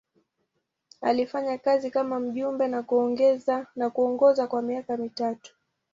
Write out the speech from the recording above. Alifanya kazi kama mjumbe na kuongoza kwa miaka mitatu.